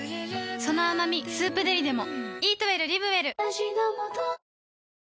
その甘み「スープデリ」でも